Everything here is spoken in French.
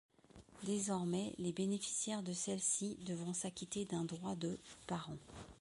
Désormais, les bénéficiaires de celle-ci devront s'acquitter d'un droit de par an.